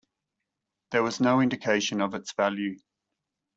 There was no indication of its value.